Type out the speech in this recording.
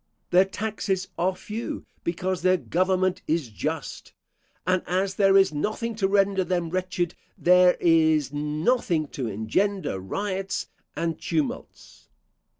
Their taxes are few, because their government is just: and as there is nothing to render them wretched, there is nothing to engender riots and tumults.